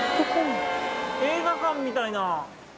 映画館みたいな。